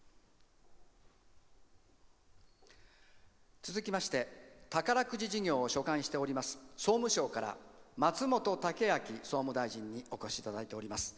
続きまして宝くじ事業を所管している総務省から松本剛明総務大臣にお越しいただいています。